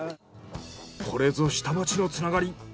これぞ下町のつながり。